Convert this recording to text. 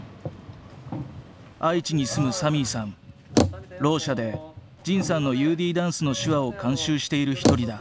愛知に住むろう者で仁さんのＵＤダンスの手話を監修している一人だ。